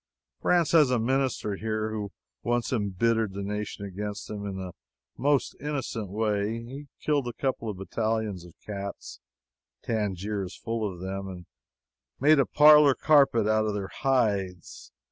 France had a minister here once who embittered the nation against him in the most innocent way. He killed a couple of battalions of cats (Tangier is full of them) and made a parlor carpet out of their hides.